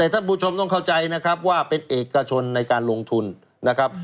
ท่านผู้ชมต้องเข้าใจนะครับว่าเป็นเอกชนในการลงทุนนะครับ